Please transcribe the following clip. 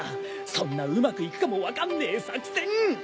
そんなうまくいくかも分かんねえ作戦！